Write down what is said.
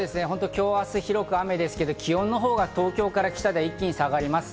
今日明日、広く雨ですけど、気温は東京から北で一気に下がります。